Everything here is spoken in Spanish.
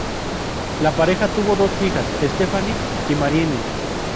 La pareja tuvo dos hijas, Stephanie y Marianne.